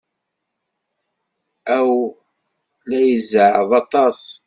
Aw, la izeɛɛeḍ aṭas!